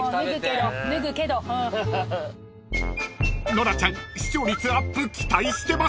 ［ノラちゃん視聴率アップ期待してます］